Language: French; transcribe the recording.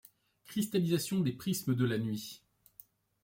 Cristallisation des prismes de la nuit ;